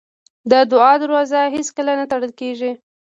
د دعا دروازه هېڅکله نه تړل کېږي.